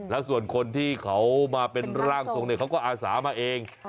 แล้วส่วนคนที่เขามาเป็นร่างทรงเขาก็อาสามาเอง